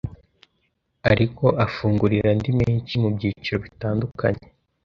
ariko afungurira andi menshi mu byiciro bitandukanye